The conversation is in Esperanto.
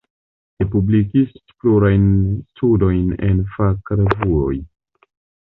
Li publikis plurajn studojn en fakrevuoj.